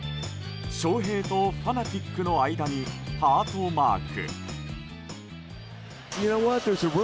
「翔平」と「ファナティック」の間にハートマーク。